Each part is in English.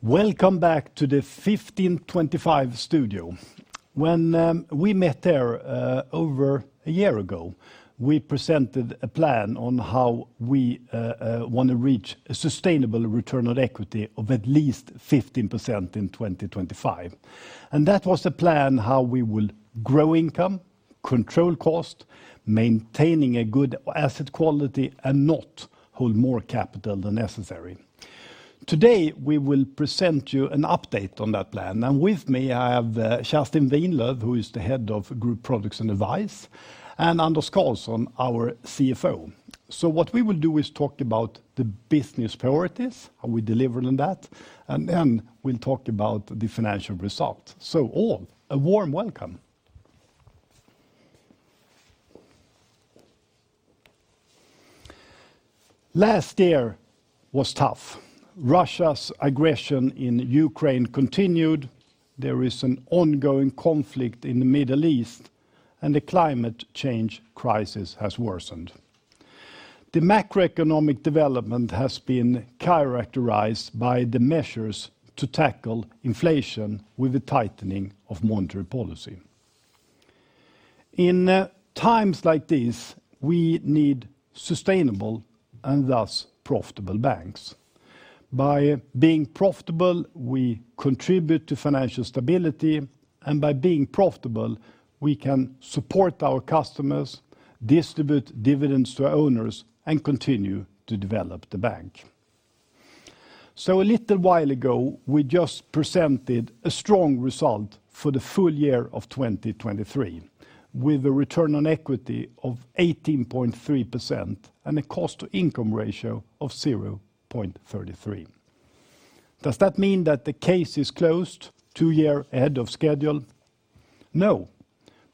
Welcome back to the 15/25 Studio. When we met there over a year ago, we presented a plan on how we wanna reach a sustainable return on equity of at least 15% in 2025. And that was the plan, how we will grow income, control cost, maintaining a good asset quality, and not hold more capital than necessary. Today, we will present you an update on that plan. And with me, I have Kerstin Winlöf, who is the head of Group Products and Advice, and Anders Karlsson, our CFO. So what we will do is talk about the business priorities, how we deliver on that, and then we'll talk about the financial results. So, a warm welcome. Last year was tough. Russia's aggression in Ukraine continued, there is an ongoing conflict in the Middle East, and the climate change crisis has worsened. The macroeconomic development has been characterized by the measures to tackle inflation with the tightening of monetary policy. In times like these, we need sustainable and thus profitable banks. By being profitable, we contribute to financial stability, and by being profitable, we can support our customers, distribute dividends to our owners, and continue to develop the bank. So a little while ago, we just presented a strong result for the full year of 2023, with a return on equity of 18.3% and a cost-to-income ratio of 0.33. Does that mean that the case is closed two years ahead of schedule? No,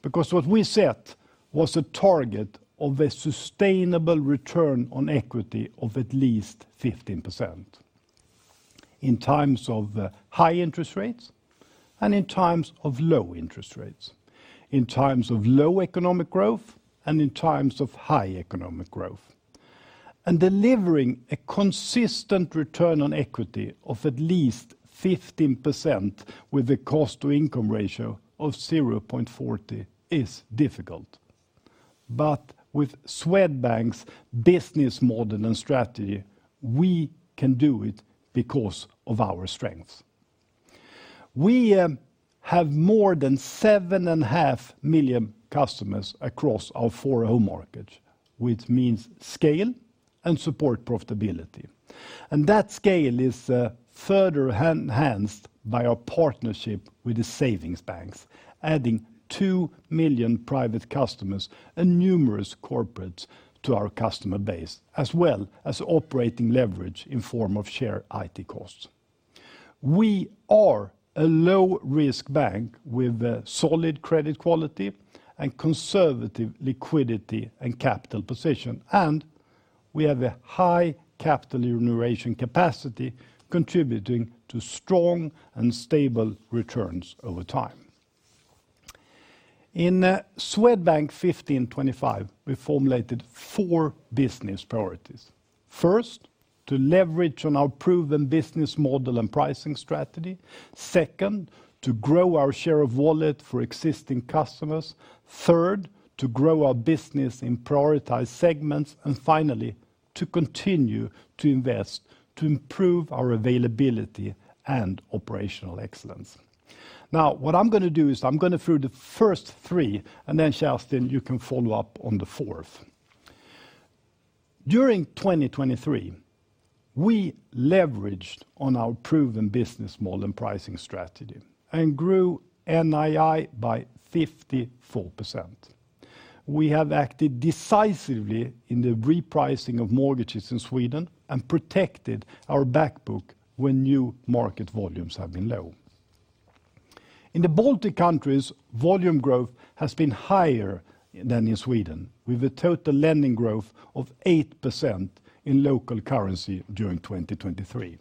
because what we set was a target of a sustainable return on equity of at least 15% in times of high interest rates and in times of low interest rates, in times of low economic growth and in times of high economic growth. And delivering a consistent return on equity of at least 15% with a cost-to-income ratio of 0.40 is difficult. But with Swedbank's business model and strategy, we can do it because of our strengths. We have more than 7.5 million customers across our four home markets, which means scale and support profitability. And that scale is further enhanced by our partnership with the savings banks, adding 2 million private customers and numerous corporates to our customer base, as well as operating leverage in form of shared IT costs. We are a low-risk bank with a solid credit quality and conservative liquidity and capital position, and we have a high capital generation capacity, contributing to strong and stable returns over time. In Swedbank 15/25, we formulated four business priorities. First, to leverage on our proven business model and pricing strategy. Second, to grow our share of wallet for existing customers. Third, to grow our business in prioritized segments. And finally, to continue to invest, to improve our availability and operational excellence. Now, what I'm gonna do is I'm going to go through the first three, and then, Kerstin, you can follow up on the fourth. During 2023, we leveraged on our proven business model and pricing strategy and grew NII by 54%. We have acted decisively in the repricing of mortgages in Sweden and protected our back book when new market volumes have been low. In the Baltic countries, volume growth has been higher than in Sweden, with a total lending growth of 8% in local currency during 2023.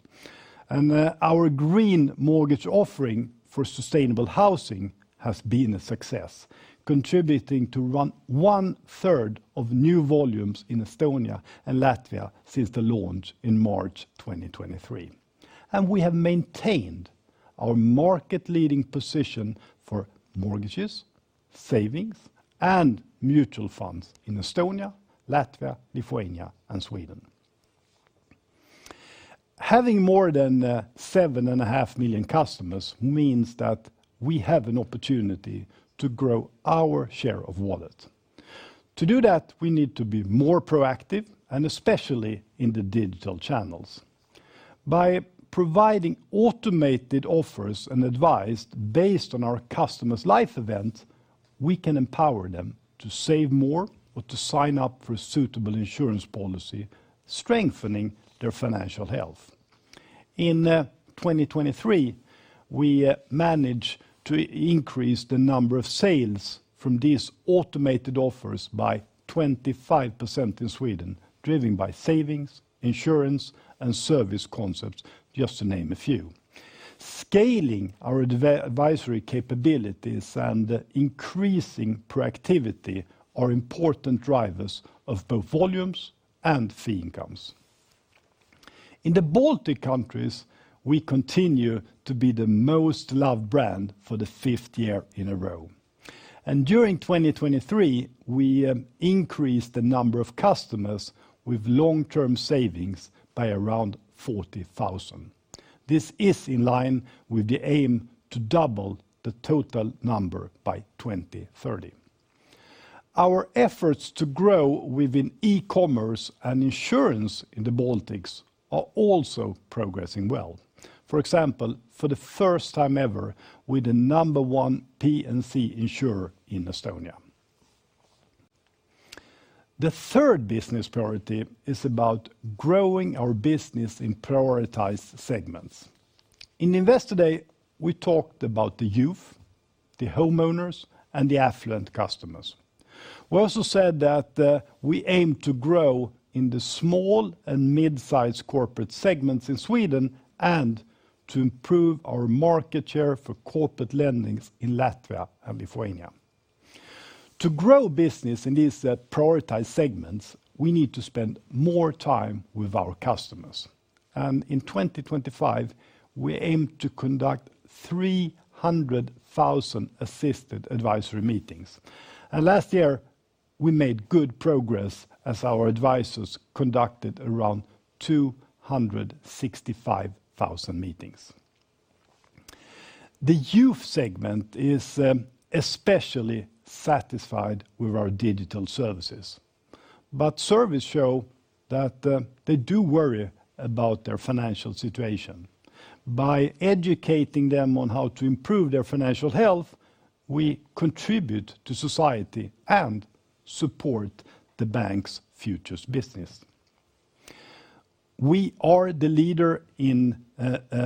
Our Green Mortgage offering for sustainable housing has been a success, contributing to around one-third of new volumes in Estonia and Latvia since the launch in March 2023. We have maintained our market-leading position for mortgages, savings, and mutual funds in Estonia, Latvia, Lithuania, and Sweden. Having more than 7.5 million customers means that we have an opportunity to grow our share of wallet. To do that, we need to be more proactive, and especially in the digital channels. By providing automated offers and advice based on our customers' life event, we can empower them to save more or to sign up for a suitable insurance policy, strengthening their financial health. In 2023, we managed to increase the number of sales from these automated offers by 25% in Sweden, driven by savings, insurance, and service concepts, just to name a few. Scaling our advisory capabilities and increasing proactivity are important drivers of both volumes and fee incomes. In the Baltic countries, we continue to be the most loved brand for the 5th year in a row. And during 2023, we increased the number of customers with long-term savings by around 40,000. This is in line with the aim to double the total number by 2030. Our efforts to grow within e-commerce and insurance in the Baltics are also progressing well. For example, for the first time ever, we're the number one P&C insurer in Estonia. The third business priority is about growing our business in prioritized segments. At Investor Day, we talked about the youth, the homeowners, and the affluent customers. We also said that we aim to grow in the small and mid-sized corporate segments in Sweden and to improve our market share for corporate lending in Latvia and Lithuania. To grow business in these prioritized segments, we need to spend more time with our customers, and in 2025, we aim to conduct 300,000 assisted advisory meetings. Last year, we made good progress as our advisors conducted around 265,000 meetings. The youth segment is especially satisfied with our digital services, but surveys show that they do worry about their financial situation. By educating them on how to improve their financial health, we contribute to society and support the bank's future business. We are the leader in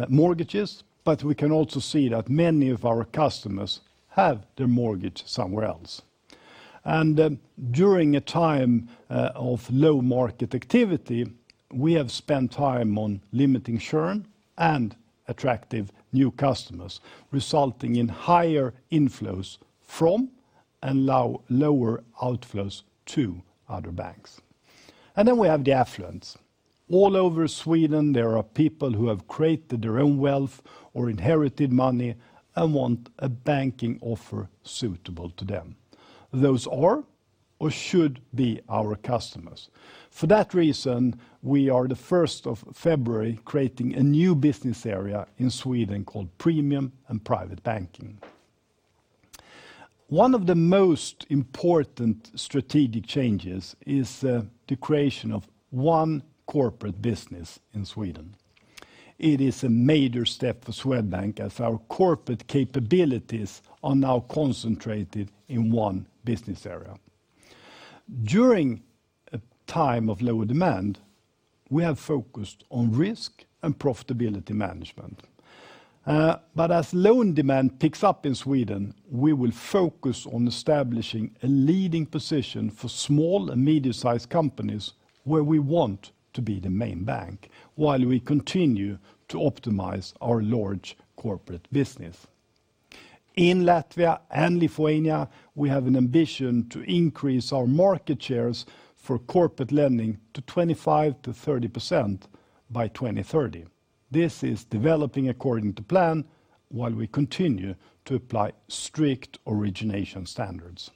mortgages, but we can also see that many of our customers have their mortgage somewhere else. During a time of low market activity, we have spent time on limiting churn and attracting new customers, resulting in higher inflows from and lower outflows to other banks. Then we have the affluents. All over Sweden, there are people who have created their own wealth or inherited money and want a banking offer suitable to them. Those are or should be our customers. For that reason, we are, the first of February, creating a new business area in Sweden called Premium and Private Banking. One of the most important strategic changes is the creation of one corporate business in Sweden. It is a major step for Swedbank as our corporate capabilities are now concentrated in one business area. During a time of lower demand, we have focused on risk and profitability management. But as loan demand picks up in Sweden, we will focus on establishing a leading position for small and medium-sized companies, where we want to be the main bank, while we continue to optimize our large corporate business. In Latvia and Lithuania, we have an ambition to increase our market shares for corporate lending to 25%-30% by 2030. This is developing according to plan, while we continue to apply strict origination standards.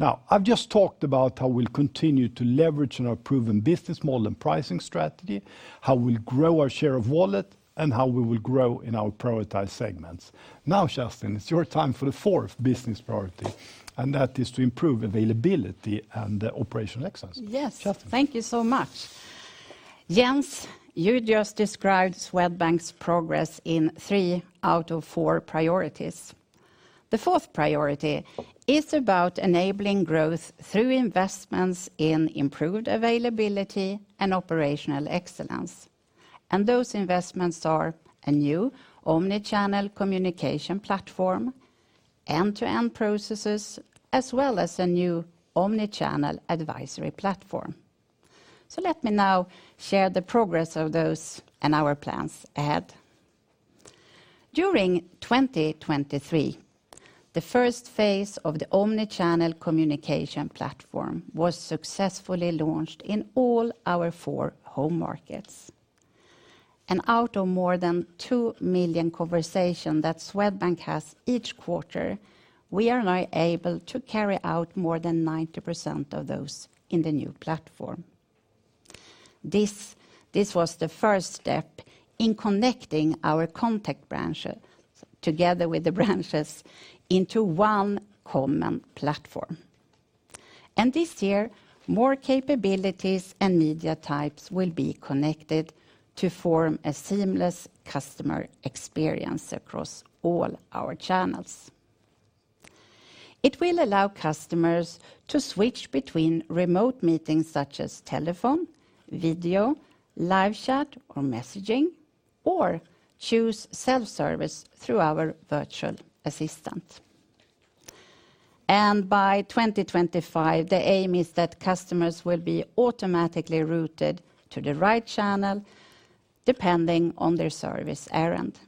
Now, I've just talked about how we'll continue to leverage in our proven business model and pricing strategy, how we'll grow our share of wallet, and how we will grow in our prioritized segments. Now, Kerstin, it's your time for the fourth business priority, and that is to improve availability and operational excellence. Yes. Kerstin. Thank you so much. Jens, you just described Swedbank's progress in three out of four priorities. The fourth priority is about enabling growth through investments in improved availability and operational excellence, and those investments are a new omnichannel communication platform, end-to-end processes, as well as a new omnichannel advisory platform. So let me now share the progress of those and our plans ahead. During 2023, the first phase of the omni-channel communication platform was successfully launched in all our four home markets. And out of more than 2 million conversation that Swedbank has each quarter, we are now able to carry out more than 90% of those in the new platform. This was the first step in connecting our contact branches, together with the branches, into one common platform. This year, more capabilities and media types will be connected to form a seamless customer experience across all our channels. It will allow customers to switch between remote meetings, such as telephone, video, live chat, or messaging, or choose self-service through our virtual assistant... and by 2025, the aim is that customers will be automatically routed to the right channel, depending on their service errand.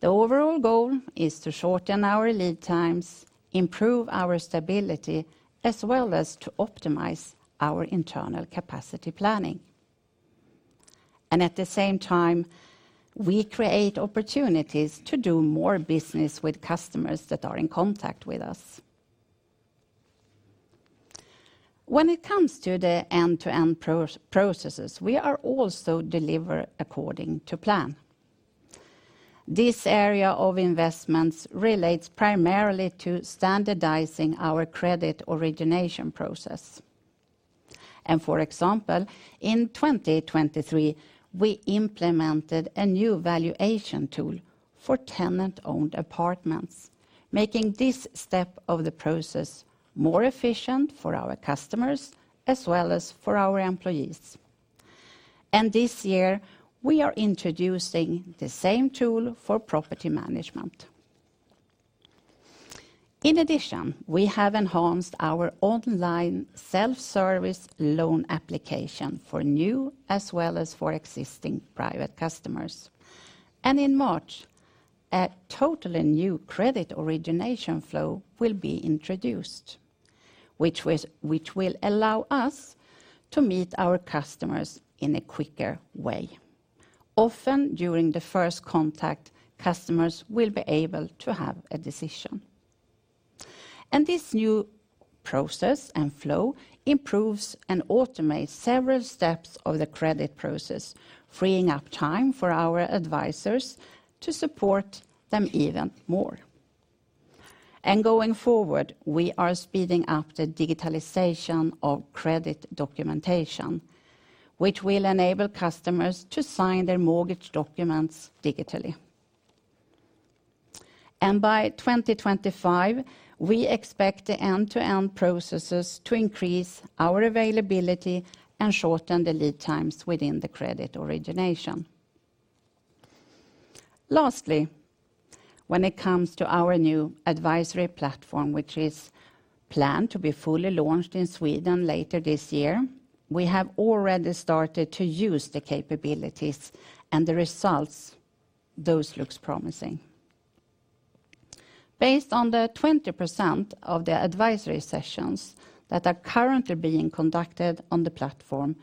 The overall goal is to shorten our lead times, improve our stability, as well as to optimize our internal capacity planning. And at the same time, we create opportunities to do more business with customers that are in contact with us. When it comes to the end-to-end processes, we are also delivering according to plan. This area of investments relates primarily to standardizing our credit origination process. For example, in 2023, we implemented a new valuation tool for tenant-owned apartments, making this step of the process more efficient for our customers as well as for our employees. This year, we are introducing the same tool for property management. In addition, we have enhanced our online self-service loan application for new as well as for existing private customers. In March, a totally new credit origination flow will be introduced, which will allow us to meet our customers in a quicker way. Often, during the first contact, customers will be able to have a decision. This new process and flow improves and automates several steps of the credit process, freeing up time for our advisors to support them even more. Going forward, we are speeding up the digitalization of credit documentation, which will enable customers to sign their mortgage documents digitally. By 2025, we expect the end-to-end processes to increase our availability and shorten the lead times within the credit origination. Lastly, when it comes to our new advisory platform, which is planned to be fully launched in Sweden later this year, we have already started to use the capabilities and the results, those looks promising. Based on the 20% of the advisory sessions that are currently being conducted on the platform,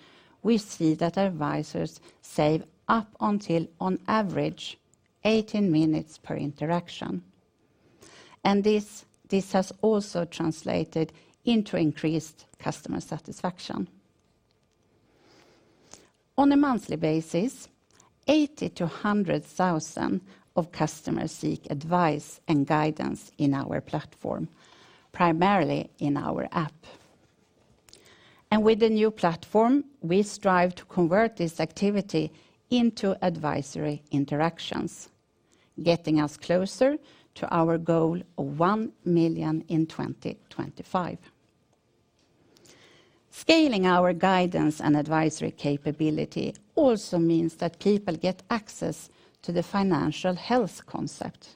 we see that advisors save up until, on average, 18 minutes per interaction, and this, this has also translated into increased customer satisfaction. On a monthly basis, 80,000-100,000 customers seek advice and guidance in our platform, primarily in our app. With the new platform, we strive to convert this activity into advisory interactions, getting us closer to our goal of 1 million in 2025. Scaling our guidance and advisory capability also means that people get access to the financial health concept.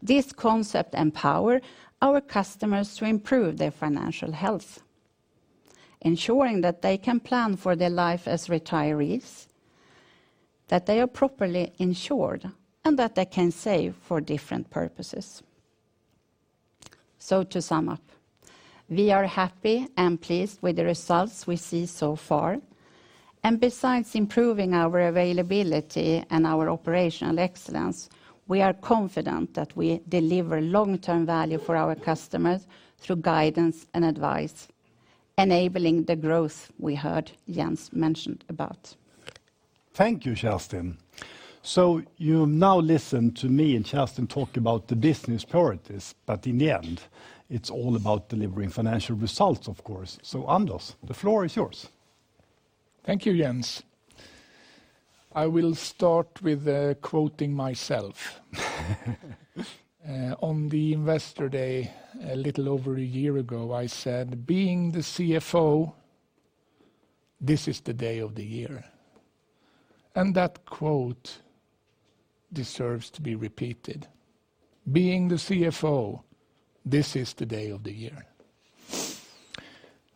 This concept empower our customers to improve their financial health, ensuring that they can plan for their life as retirees, that they are properly insured, and that they can save for different purposes. So to sum up, we are happy and pleased with the results we see so far. And besides improving our availability and our operational excellence, we are confident that we deliver long-term value for our customers through guidance and advice, enabling the growth we heard Jens mention about. Thank you, Kerstin. So you now listen to me and Kerstin talk about the business priorities, but in the end, it's all about delivering financial results, of course. So Anders, the floor is yours. Thank you, Jens. I will start with quoting myself. On the Investor Day, a little over a year ago, I said, "Being the CFO, this is the day of the year." And that quote deserves to be repeated. Being the CFO, this year is the day of the year.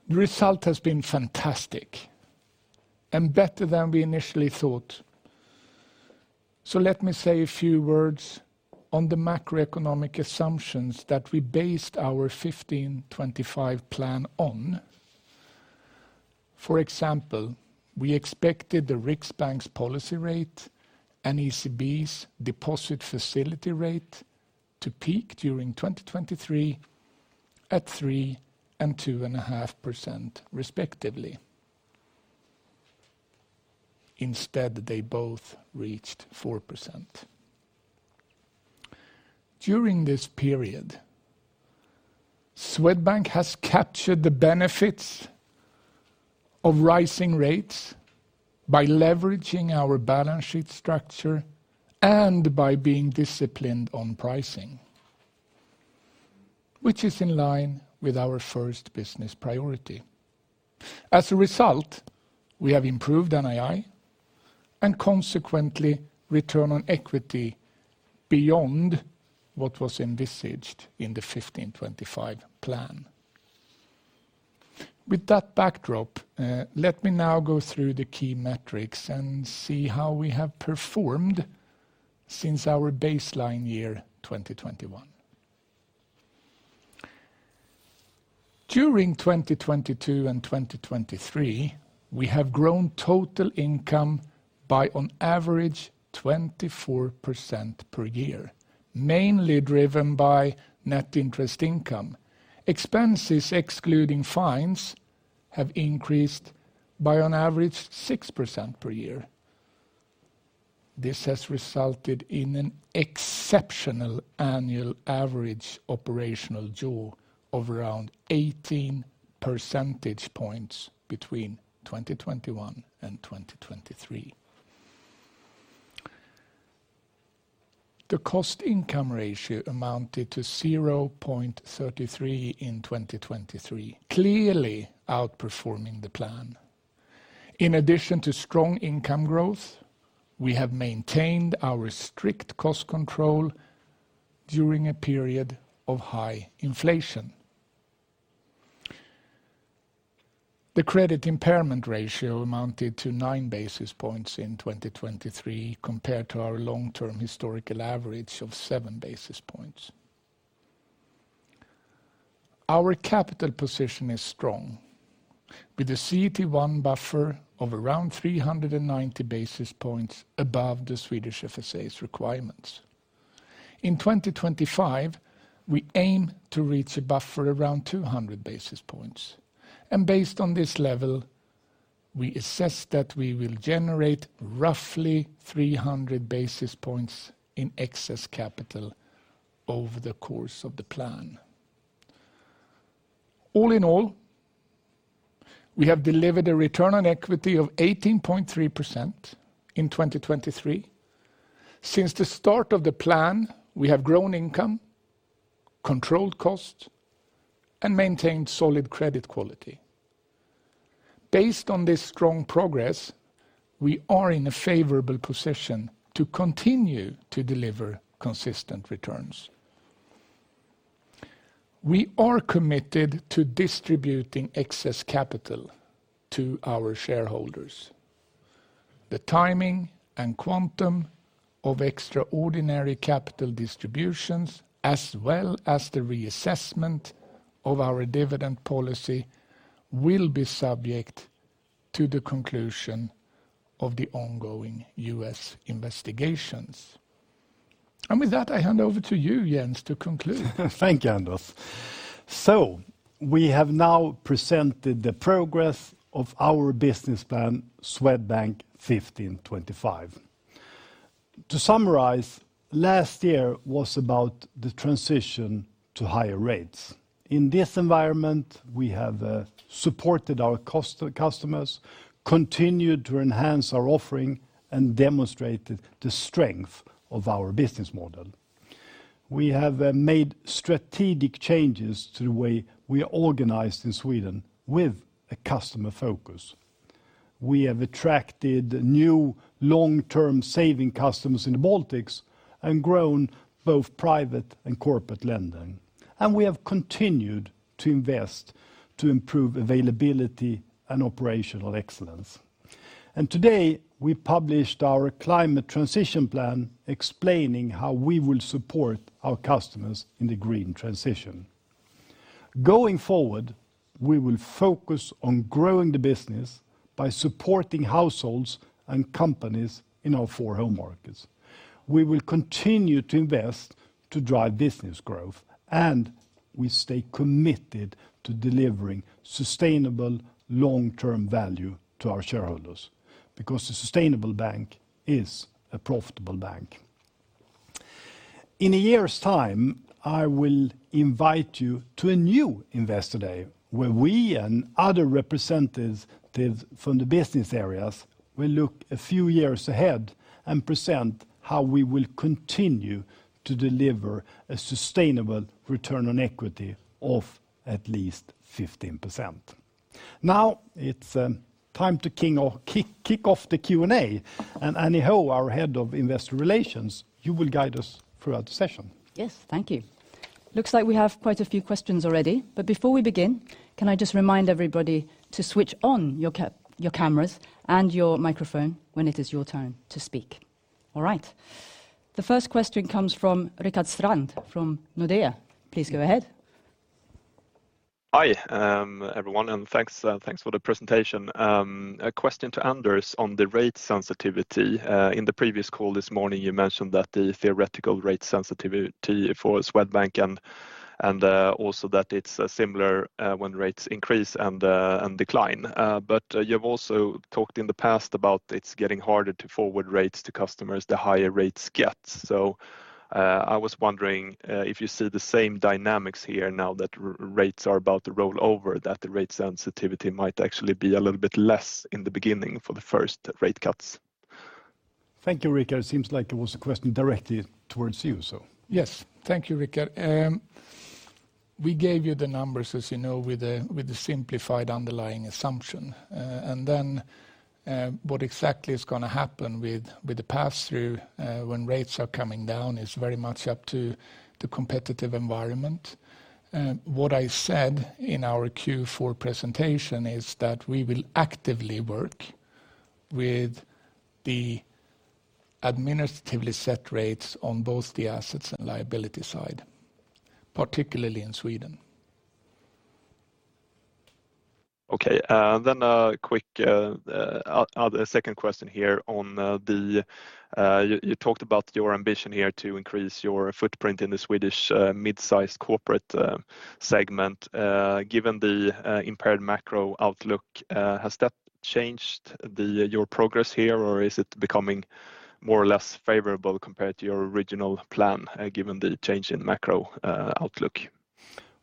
The result has been fantastic and better than we initially thought. Let me say a few words on the macroeconomic assumptions that we based our 15/25 plan on. For example, we expected the Riksbank's policy rate and ECB's deposit facility rate to peak during 2023 at 3% and 2.5%, respectively. Instead, they both reached 4%. During this period, Swedbank has captured the benefits of rising rates by leveraging our balance sheet structure and by being disciplined on pricing, which is in line with our first business priority. As a result, we have improved NII, and consequently, return on equity beyond what was envisaged in the 15/25 plan. With that backdrop, let me now go through the key metrics and see how we have performed since our baseline year, 2021. During 2022 and 2023, we have grown total income by on average 24% per year, mainly driven by net interest income. Expenses, excluding fines, have increased by on average 6% per year. This has resulted in an exceptional annual average operational jaws of around 18 percentage points between 2021 and 2023. The cost-income ratio amounted to 0.33 in 2023, clearly outperforming the plan. In addition to strong income growth, we have maintained our strict cost control during a period of high inflation. The credit impairment ratio amounted to 9 basis points in 2023, compared to our long-term historical average of 7 basis points. Our capital position is strong, with a CET1 buffer of around 390 basis points above the Swedish FSA's requirements. In 2025, we aim to reach a buffer around 200 basis points, and based on this level, we assess that we will generate roughly 300 basis points in excess capital over the course of the plan. All in all, we have delivered a return on equity of 18.3% in 2023. Since the start of the plan, we have grown income, controlled cost, and maintained solid credit quality. Based on this strong progress, we are in a favorable position to continue to deliver consistent returns. We are committed to distributing excess capital to our shareholders. The timing and quantum of extraordinary capital distributions, as well as the reassessment of our dividend policy, will be subject to the conclusion of the ongoing U.S. investigations. With that, I hand over to you, Jens, to conclude. Thank you, Anders. So we have now presented the progress of our business plan, Swedbank 15/25. To summarize, last year was about the transition to higher rates. In this environment, we have supported our customers, continued to enhance our offering, and demonstrated the strength of our business model. We have made strategic changes to the way we are organized in Sweden with a customer focus. We have attracted new long-term saving customers in the Baltics and grown both private and corporate lending. And we have continued to invest to improve availability and operational excellence. And today, we published our climate transition plan, explaining how we will support our customers in the green transition. Going forward, we will focus on growing the business by supporting households and companies in our four home markets. We will continue to invest to drive business growth, and we stay committed to delivering sustainable long-term value to our shareholders because the sustainable bank is a profitable bank. In a year's time, I will invite you to a new investor day, where we and other representatives from the business areas will look a few years ahead and present how we will continue to deliver a sustainable return on equity of at least 15%. Now, it's time to kick off the Q&A. Annie Ho, our Head of Investor Relations, you will guide us throughout the session. Yes, thank you. Looks like we have quite a few questions already, but before we begin, can I just remind everybody to switch on your cameras and your microphone when it is your turn to speak? All right. The first question comes from Rickard Strand from Nordea. Please go ahead. Hi, everyone, and thanks, thanks for the presentation. A question to Anders on the rate sensitivity. In the previous call this morning, you mentioned that the theoretical rate sensitivity for Swedbank and also that it's similar when rates increase and decline. But you've also talked in the past about it's getting harder to forward rates to customers, the higher rates get. So, I was wondering if you see the same dynamics here now that rates are about to roll over, that the rate sensitivity might actually be a little bit less in the beginning for the first rate cuts? Thank you, Rickard. It seems like it was a question directly towards you, so... Yes. Thank you, Rickard.... We gave you the numbers, as you know, with the simplified underlying assumption. And then, what exactly is gonna happen with the pass-through, when rates are coming down is very much up to the competitive environment. What I said in our Q4 presentation is that we will actively work with the administratively set rates on both the assets and liability side, particularly in Sweden. Okay, then a quick second question here on the you talked about your ambition here to increase your footprint in the Swedish mid-sized corporate segment. Given the impaired macro outlook, has that changed your progress here, or is it becoming more or less favorable compared to your original plan, given the change in macro outlook?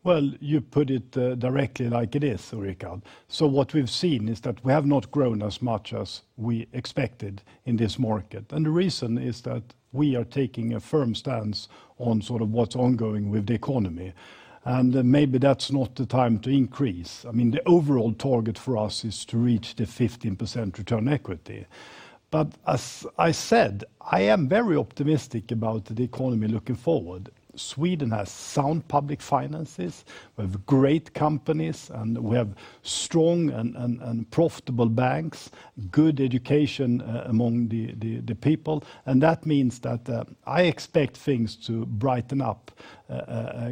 Well, you put it directly like it is Rickard. So what we've seen is that we have not grown as much as we expected in this market. The reason is that we are taking a firm stance on sort of what's ongoing with the economy, and maybe that's not the time to increase. I mean, the overall target for us is to reach the 15% return equity. But as I said, I am very optimistic about the economy looking forward. Sweden has sound public finances, we have great companies, and we have strong and profitable banks, good education among the people. And that means that I expect things to brighten up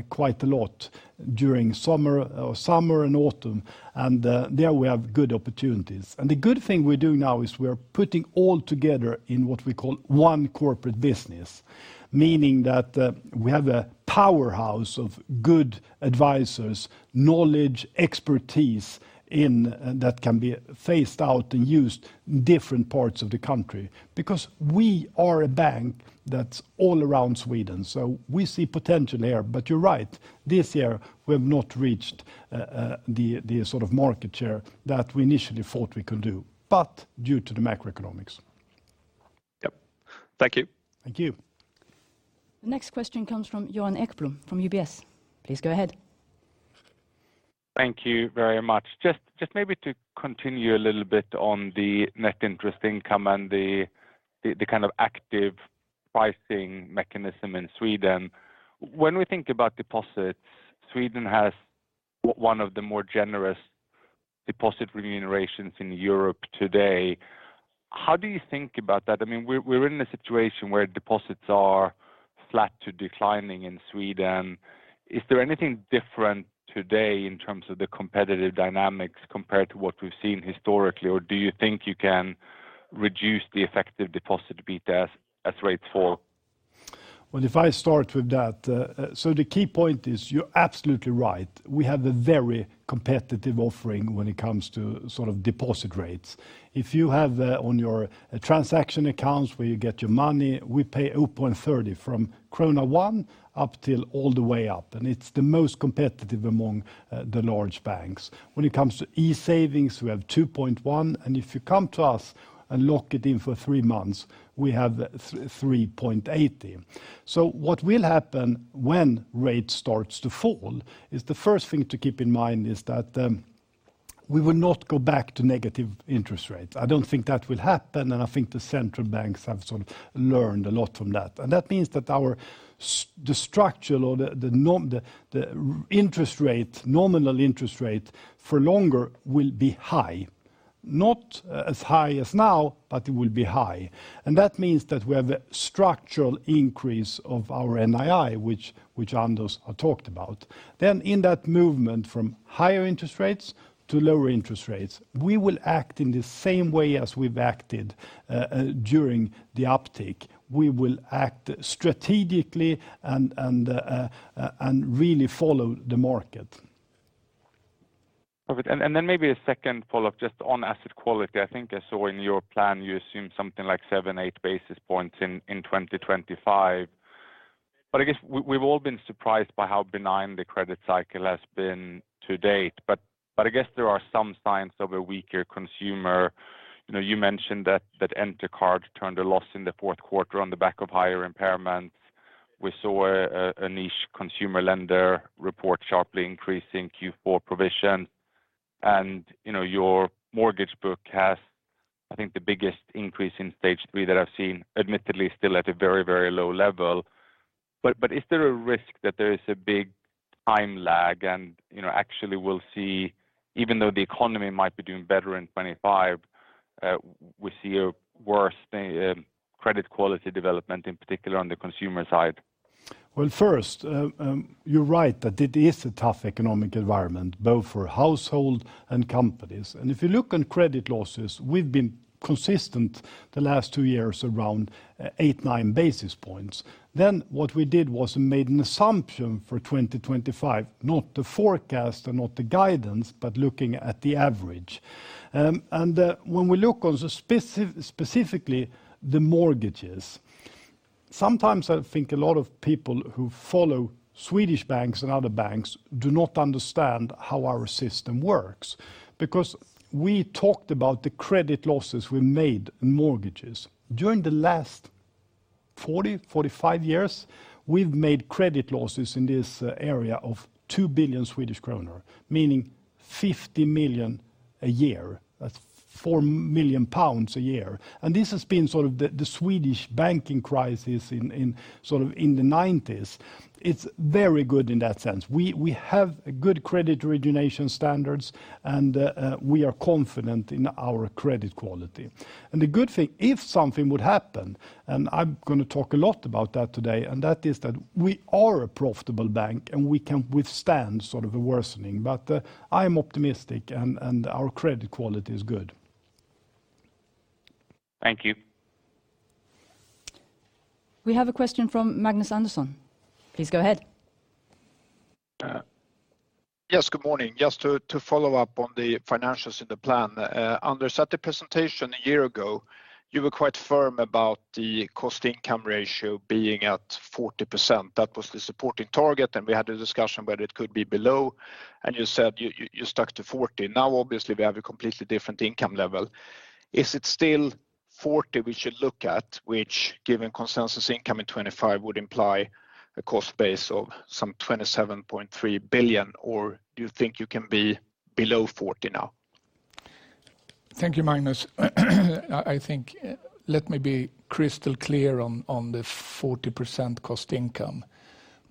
quite a lot during summer or summer and autumn, and there we have good opportunities. The good thing we're doing now is we are putting all together in what we call one corporate business, meaning that we have a powerhouse of good advisors, knowledge, expertise in that can be phased out and used in different parts of the country. Because we are a bank that's all around Sweden, so we see potential there. But you're right, this year, we have not reached the sort of market share that we initially thought we could do, but due to the macroeconomics. Yep. Thank you. Thank you. The next question comes from Johan Ekblom from UBS. Please go ahead. Thank you very much. Just maybe to continue a little bit on the net interest income and the kind of active pricing mechanism in Sweden. When we think about deposits, Sweden has one of the more generous deposit remunerations in Europe today. How do you think about that? I mean, we're in a situation where deposits are flat to declining in Sweden. Is there anything different today in terms of the competitive dynamics compared to what we've seen historically? Or do you think you can reduce the effective deposit beta as rates fall? Well, if I start with that, so the key point is, you're absolutely right. We have a very competitive offering when it comes to sort of deposit rates. If you have on your transaction accounts, where you get your money, we pay up on 3.0% from 1 krona up till all the way up, and it's the most competitive among the large banks. When it comes to e-savings, we have 2.1%, and if you come to us and lock it in for three months, we have 3.80%. So what will happen when rates starts to fall is the first thing to keep in mind is that, we will not go back to negative interest rates. I don't think that will happen, and I think the central banks have sort of learned a lot from that. And that means that our structural or the normal, the nominal interest rate for longer will be high. Not as high as now, but it will be high. And that means that we have a structural increase of our NII, which Anders talked about. Then in that movement from higher interest rates to lower interest rates, we will act in the same way as we've acted during the uptick. We will act strategically and really follow the market. Perfect. And, and then maybe a second follow-up just on asset quality. I think I saw in your plan you assumed something like 7-8 basis points in 2025. But I guess we've all been surprised by how benign the credit cycle has been to date. But I guess there are some signs of a weaker consumer. You know, you mentioned that Entercard turned a loss in the fourth quarter on the back of higher impairments. We saw a niche consumer lender report sharply increasing Q4 provisions. And, you know, your mortgage book has, I think, the biggest increase in Stage 3 that I've seen, admittedly, still at a very, very low level. But is there a risk that there is a big time lag and, you know, actually we'll see... Even though the economy might be doing better in 2025, we see a worse credit quality development, in particular on the consumer side? Well, first, you're right that it is a tough economic environment, both for household and companies. And if you look on credit losses, we've been consistent the last 2 years around 8-9 basis points. Then, what we did was made an assumption for 2025, not the forecast and not the guidance, but looking at the average. And when we look on the specifically the mortgages, sometimes I think a lot of people who follow Swedish banks and other banks do not understand how our system works. Because we talked about the credit losses we made in mortgages. During the last 40-45 years, we've made credit losses in this area of 2 billion Swedish kronor, meaning 50 million a year. That's 4 million pounds a year, and this has been sort of the Swedish banking crisis in sort of the 1990s. It's very good in that sense. We have a good credit origination standards, and we are confident in our credit quality. And the good thing, if something would happen, and I'm gonna talk a lot about that today, and that is that we are a profitable bank, and we can withstand sort of a worsening. But I am optimistic and our credit quality is good. Thank you. We have a question from Magnus Andersson. Please go ahead. Yes, good morning. Just to follow up on the financials in the plan. Anders, at the presentation a year ago, you were quite firm about the cost income ratio being at 40%. That was the supporting target, and we had a discussion whether it could be below, and you said you stuck to 40%. Now, obviously, we have a completely different income level. Is it still 40 we should look at, which given consensus income in 2025 would imply a cost base of some 27.3 billion, or do you think you can be below 40 now? Thank you, Magnus. I think, let me be crystal clear on the 40% cost income.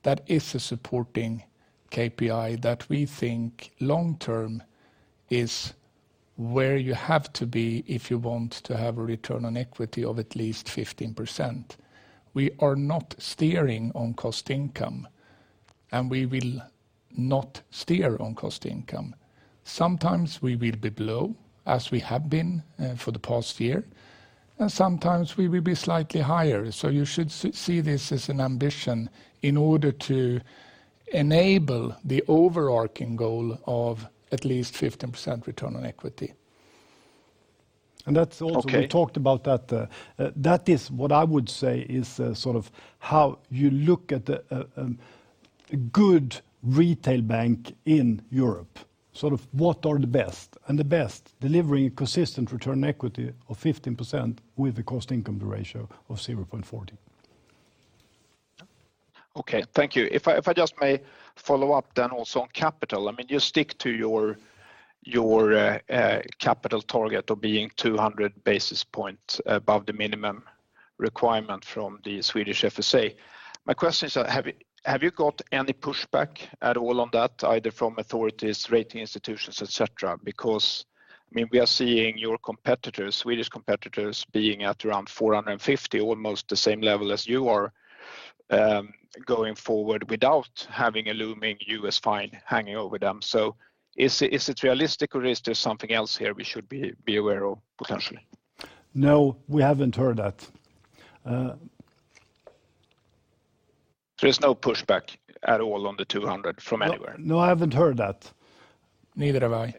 That is a supporting KPI that we think long term is where you have to be if you want to have a return on equity of at least 15%. We are not steering on cost income, and we will not steer on cost income. Sometimes we will be below, as we have been, for the past year, and sometimes we will be slightly higher. So you should see this as an ambition in order to enable the overarching goal of at least 15% return on equity. Okay. That's also, we talked about that. That is what I would say is sort of how you look at a good retail bank in Europe. Sort of what are the best, and the best, delivering consistent return equity of 15% with the cost income ratio of 0.40. Okay, thank you. If I just may follow up then also on capital. I mean, you stick to your, your capital target of being 200 basis points above the minimum requirement from the Swedish FSA. My question is, have you, have you got any pushback at all on that, either from authorities, rating institutions, et cetera? Because, I mean, we are seeing your competitors, Swedish competitors, being at around 450, almost the same level as you are, going forward without having a looming U.S. fine hanging over them. So is it, is it realistic or is there something else here we should be, be aware of potentially? No, we haven't heard that. There's no pushback at all on the 200 from anywhere? No, I haven't heard that. Neither have I.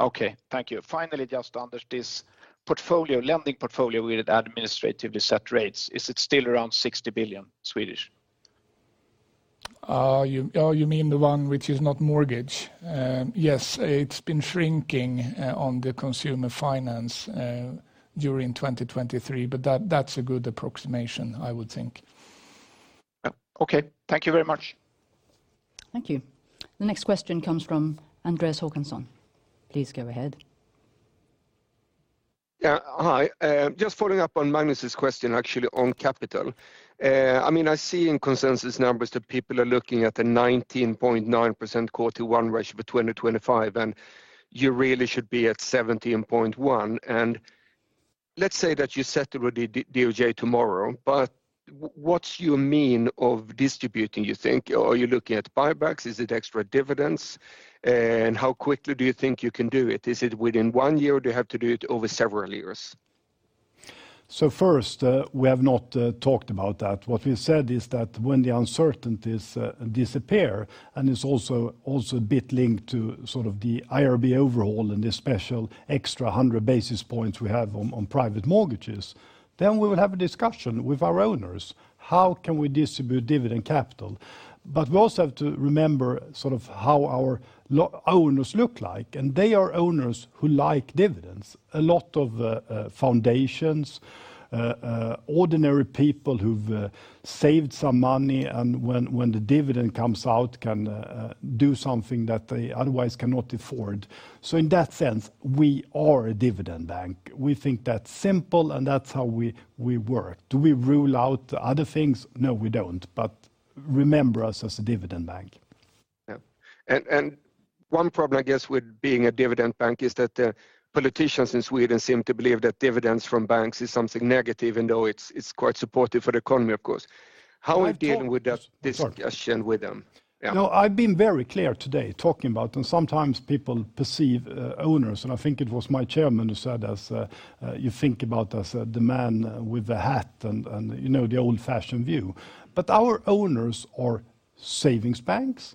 Okay, thank you. Finally, just under this portfolio, lending portfolio with administratively set rates, is it still around 60 billion? You, oh, you mean the one which is not mortgage? Yes, it's been shrinking on the consumer finance during 2023, but that, that's a good approximation, I would think. Yeah. Okay. Thank you very much. Thank you. The next question comes from Andreas Håkansson. Please go ahead. Yeah, hi. Just following up on Magnus's question, actually, on capital. I mean, I see in consensus numbers that people are looking at a 19.9% CET1 ratio for 2025, and you really should be at 17.1%. And let's say that you settle with the DOJ tomorrow, but what's your means of distributing, you think? Are you looking at buybacks? Is it extra dividends? And how quickly do you think you can do it? Is it within one year, or do you have to do it over several years? So first, we have not talked about that. What we've said is that when the uncertainties disappear, and it's also a bit linked to sort of the IRB overhaul and the special extra 100 basis points we have on private mortgages, then we will have a discussion with our owners. How can we distribute dividend capital? But we also have to remember sort of how our owners look like, and they are owners who like dividends. A lot of foundations, ordinary people who've saved some money, and when the dividend comes out, can do something that they otherwise cannot afford. So in that sense, we are a dividend bank. We think that's simple, and that's how we work. Do we rule out other things? No, we don't. But remember us as a dividend bank. Yeah. And one problem, I guess, with being a dividend bank is that the politicians in Sweden seem to believe that dividends from banks is something negative, even though it's quite supportive for the economy, of course. I've talked- How are we dealing with that discussion with them? Yeah. No, I've been very clear today talking about, and sometimes people perceive, owners, and I think it was my chairman who said as, you think about as, the man with the hat and, and, you know, the old-fashioned view. But our owners are savings banks,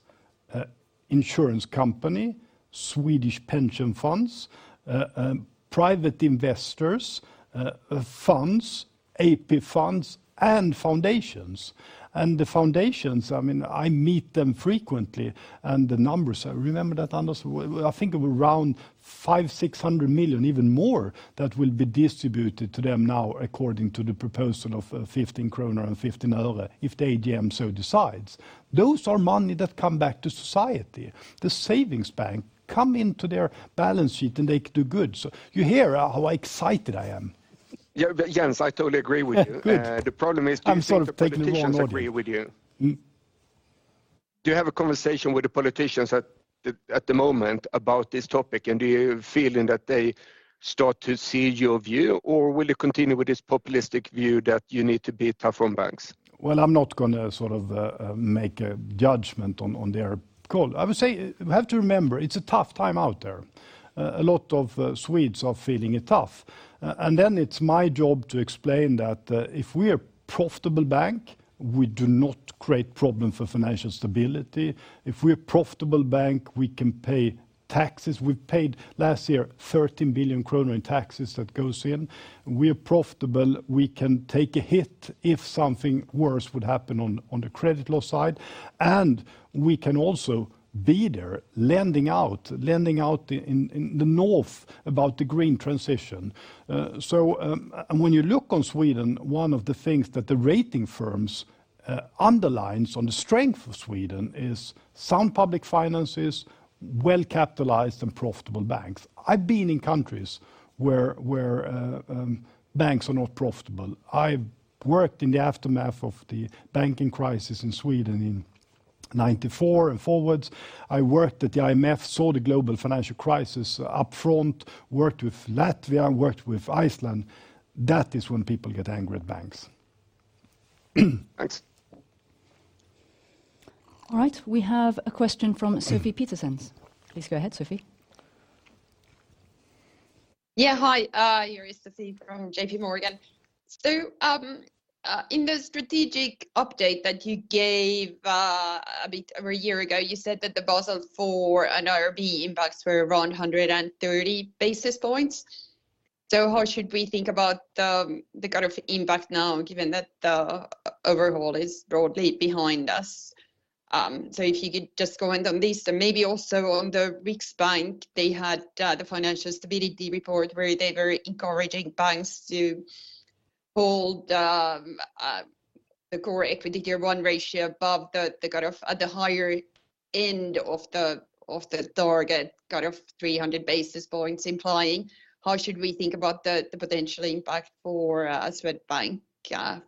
insurance companies, Swedish pension funds, private investors, funds, AP funds, and foundations. And the foundations, I mean, I meet them frequently, and the numbers, remember that, Anders? I think around 500 million-600 million, even more, that will be distributed to them now according to the proposal of SEK 15.15, if the AGM so decides. Those are money that come back to society. The savings bank come into their balance sheet, and they do good. So you hear how excited I am. Yeah, but Jens, I totally agree with you. Good. The problem is. I'm sort of taking the wrong order.... do politicians agree with you? Do you have a conversation with the politicians at the moment about this topic, and do you have a feeling that they start to see your view, or will you continue with this populistic view that you need to be tough on banks? Well, I'm not gonna sort of make a judgment on their call. I would say, we have to remember, it's a tough time out there. A lot of Swedes are feeling it tough. And then it's my job to explain that if we're profitable bank, we do not create problem for financial stability. If we're profitable bank, we can pay taxes. We've paid last year 13 billion kronor in taxes that goes in. We're profitable, we can take a hit if something worse would happen on the credit loss side, and we can also be there, lending out, lending out in the north about the green transition. So, and when you look on Sweden, one of the things that the rating firms underlines on the strength of Sweden is sound public finances, well-capitalized and profitable banks. I've been in countries where banks are not profitable. I've worked in the aftermath of the banking crisis in Sweden in 1994 and forwards. I worked at the IMF, saw the global financial crisis upfront, worked with Latvia and worked with Iceland. That is when people get angry at banks. Thanks. All right, we have a question from Sofie Peterzens. Please go ahead, Sofie. Yeah, hi, here is Sofie from JPMorgan. So, in the strategic update that you gave, a bit over a year ago, you said that the Basel IV and IRB impacts were around 130 basis points. So how should we think about the kind of impact now, given that the overhaul is broadly behind us? So if you could just go in on this, and maybe also on the Riksbank, they had the financial stability report, where they're very encouraging banks to hold the Common Equity Tier 1 ratio above the kind of... at the higher end of the target, kind of 300 basis points implying. How should we think about the potential impact for Swedbank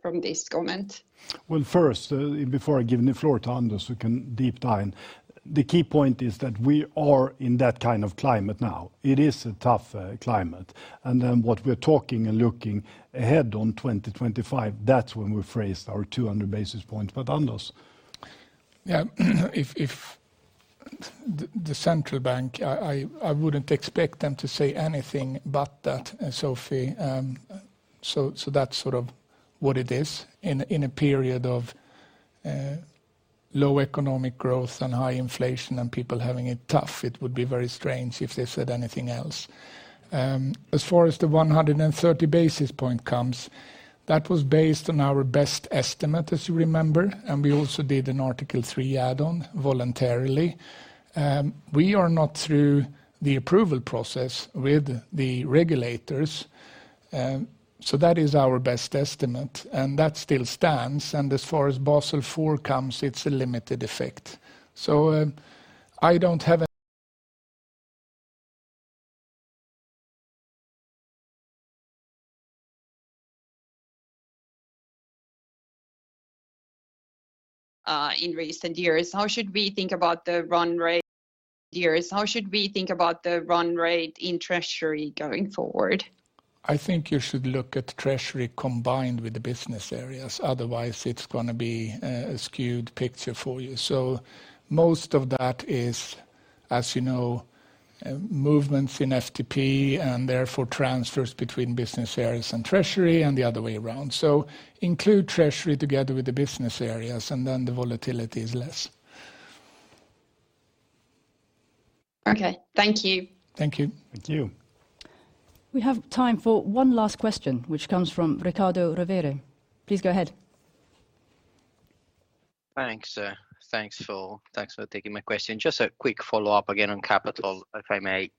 from this comment? Well, first, before I give the floor to Anders, who can deep dive in, the key point is that we are in that kind of climate now. It is a tough climate, and then what we're talking and looking ahead on 2025, that's when we phrased our 200 basis points. But Anders? Yeah, if the central bank, I wouldn't expect them to say anything but that, Sophie. So that's sort of what it is. In a period of low economic growth and high inflation and people having it tough, it would be very strange if they said anything else. As far as the 130 basis points comes, that was based on our best estimate, as you remember, and we also did an Article 3 add-on voluntarily. We are not through the approval process with the regulators, so that is our best estimate, and that still stands. And as far as Basel IV comes, it's a limited effect. So I don't have a-... in recent years. How should we think about the run rate years? How should we think about the run rate in Treasury going forward? I think you should look at Treasury combined with the business areas. Otherwise, it's gonna be a skewed picture for you. So most of that is, as you know, movements in FTP and therefore transfers between business areas and Treasury and the other way around. So include Treasury together with the business areas, and then the volatility is less. Okay. Thank you. Thank you. Thank you. We have time for one last question, which comes from Riccardo Rovere. Please go ahead. Thanks, thanks for taking my question. Just a quick follow-up again on capital- Please... if I may.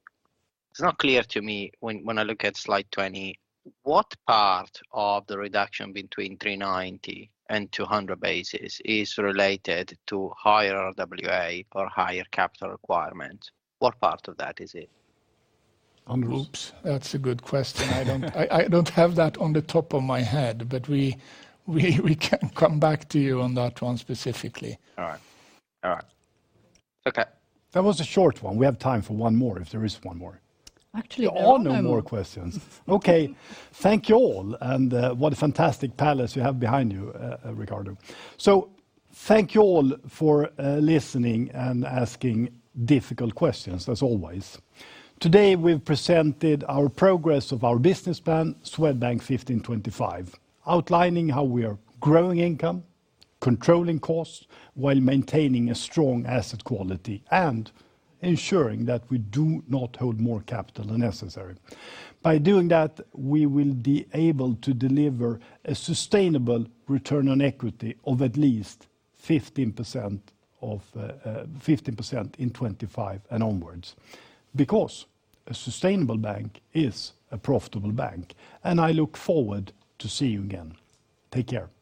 It's not clear to me when I look at slide 20, what part of the reduction between 390 and 200 basis is related to higher RWA or higher capital requirement? What part of that is it? Anders? Oops, that's a good question. I don't have that on the top of my head, but we can come back to you on that one specifically. All right. All right. Okay. That was a short one. We have time for one more, if there is one more. Actually, no. There are no more questions. Okay, thank you all, and, what a fantastic palace you have behind you, Riccardo. So thank you all for, listening and asking difficult questions, as always. Today, we've presented our progress of our business plan, Swedbank 15/25, outlining how we are growing income, controlling costs, while maintaining a strong asset quality, and ensuring that we do not hold more capital than necessary. By doing that, we will be able to deliver a sustainable return on equity of at least 15% of, 15% in 2025 and onwards because a sustainable bank is a profitable bank, and I look forward to see you again. Take care. Bye.